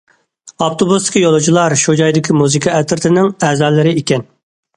ئاپتوبۇستىكى يولۇچىلار شۇ جايدىكى مۇزىكا ئەترىتىنىڭ ئەزالىرى ئىكەن.